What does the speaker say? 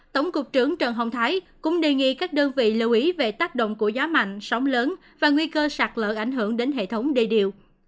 tổng cục trưởng trần hồng thái cũng đề nghị các đơn vị lưu ý về tác động của gió mạnh sóng lớn và nguy cơ sạt lỡ ảnh hưởng đến hệ thống đê điều